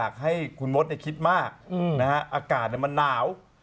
อะกาศมันหนาว